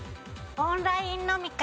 オンライン飲み会。